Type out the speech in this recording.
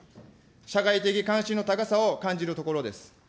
社会的関心の高さを感じるところです。